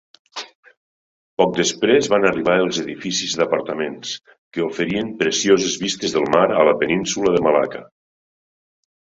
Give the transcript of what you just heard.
Poc després van arribar els edificis d'apartaments, que oferien precioses vistes del mar a la Península de Malacca.